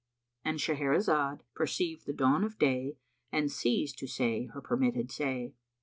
—And Shahrazad perceived the dawn of day and ceased to say her permitted say.